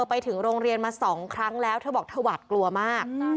ไปถึงโรงเรียนมา๒ครั้งแล้วเธอบอกเธอหวาดกลัวมาก